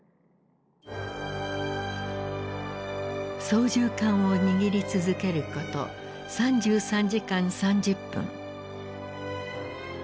操縦かんを握り続けること３３時間３０分。